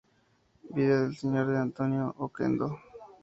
Vida del señor D. Antonio de Oquendo".